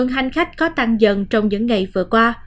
hành khách có tăng dần trong những ngày vừa qua